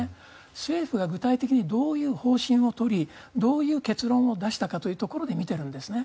政府が具体的にどういう方針を取りどういう結論を出したかというところで見ているんですね。